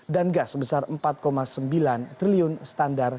dan gas sebesar empat sembilan triliun standar